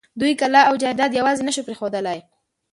دوی کلا او جايداد يواځې نه شوی پرېښودلای.